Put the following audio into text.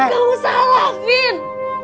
enggak usah alamin